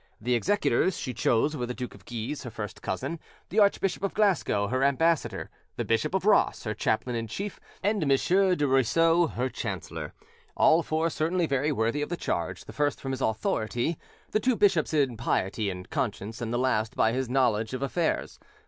The executors she chose were: the Duke of Guise, her first cousin; the Archbishop of Glasgow, her ambassador; the Bishop of Ross, her chaplain in chief; and M. du Ruysseau, her chancellor, all four certainly very worthy of the charge, the first from his authority; the two bishops by piety and conscience, and the last by his knowledge of affairs.